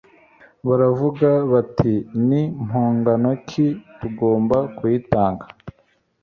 baravuga bati ni mpongano ki tugomba kuyitura